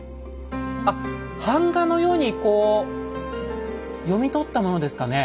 あっ版画のようにこう読み取ったものですかね。